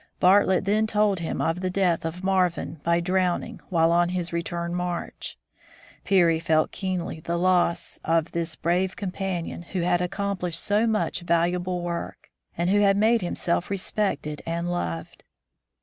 Bartlett then told him of the death of Marvin by drowning while on his return march. Peary felt keenly the loss THE DISCOVERY OF THE NORTH POLE 167 of his brave companion who had accomplished so much valuable work, and who had made himself respected and loved.